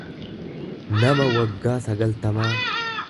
nama waggaa sagaltamaa.